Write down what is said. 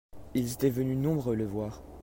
Ils étaient venus nombreux le voir.